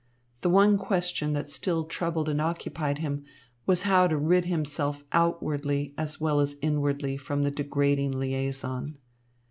The one question that still troubled and occupied him was how to rid himself outwardly as well as inwardly from the degrading liaison.